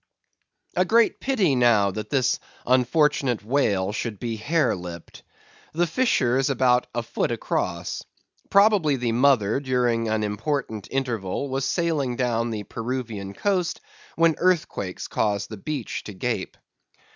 A great pity, now, that this unfortunate whale should be hare lipped. The fissure is about a foot across. Probably the mother during an important interval was sailing down the Peruvian coast, when earthquakes caused the beach to gape.